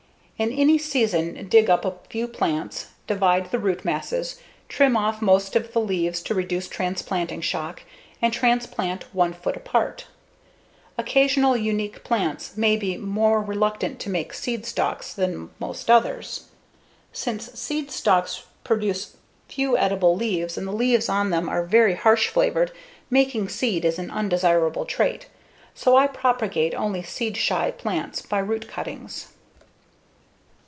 In any season dig up a few plants, divide the root masses, trim off most of the leaves to reduce transplanting shock, and transplant 1 foot apart. Occasional unique plants may be more reluctant to make seed stalks than most others. Since seed stalks produce few edible leaves and the leaves on them are very harsh flavored, making seed is an undesirable trait. So I propagate only seed shy plants by root cuttings.